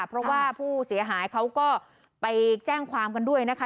เพราะว่าผู้เสียหายเขาก็ไปแจ้งความกันด้วยนะคะ